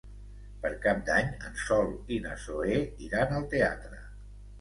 Per Cap d'Any en Sol i na Zoè iran al teatre.